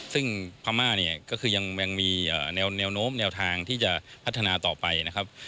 ซึ่งพม่าเนี่ยก็คือยังมีแนวโน้มแนวทางที่จะพัฒนาต่อไปนะครับ